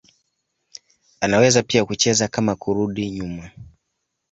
Anaweza pia kucheza kama kurudi nyuma.